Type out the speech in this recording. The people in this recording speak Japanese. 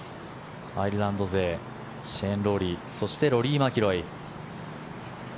アイルランド勢シェーン・ロウリーそして、ローリー・マキロイ。